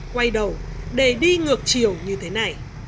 quay đầu để đi ngược chiều như thế này